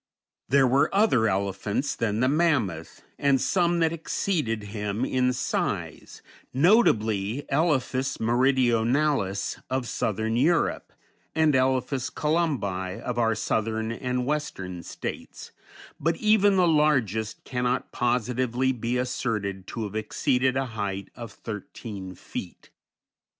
There were other elephants than the mammoth, and some that exceeded him in size, notably Elephas meridionalis of southern Europe, and Elephas columbi of our Southern and Western States, but even the largest cannot positively be asserted to have exceeded a height of thirteen feet.